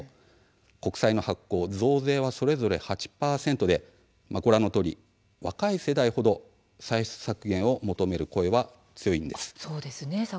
国債の発行、増税はそれぞれ８％でご覧のとおり若い世代ほど歳出削減を求める声が強いんです。